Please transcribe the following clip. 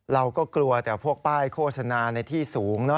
เราก็กลัวแต่พวกป้ายโฆษณาในที่สูง